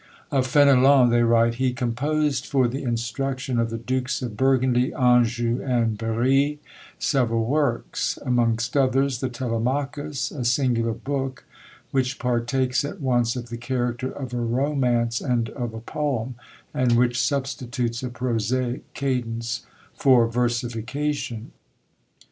Of Fenelon they write, "He composed for the instruction of the Dukes of Burgundy, Anjou, and Berri, several works; amongst others, the Telemachus a singular book, which partakes at once of the character of a romance and of a poem, and which substitutes a prosaic cadence for versification."